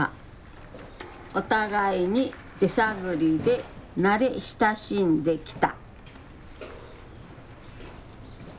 お互いに手探りで慣れ親しんできた。